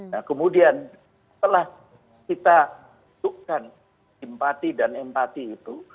nah kemudian setelah kita tukang empati dan empati itu